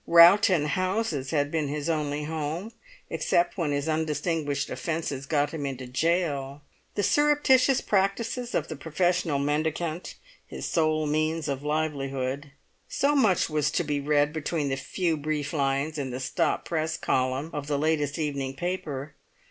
Rowton Houses had been his only home, except when his undistinguished offences got him into gaol; the surreptitious practices of the professional mendicant, his sole means of livelihood. So much was to be read between the few brief lines in the stop press column of the latest evening paper.